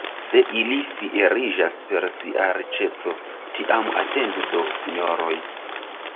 Se ili fieriĝas per sia riĉeco, tiam atendu do, sinjoroj!